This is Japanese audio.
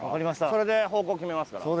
それで方向決めますから。